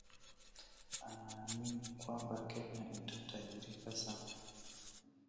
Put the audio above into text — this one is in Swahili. Anaamini kwamba Kenya itatajirika sana